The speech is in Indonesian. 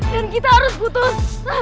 dan kita harus putus